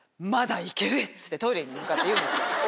トイレに向かって言うんですよ。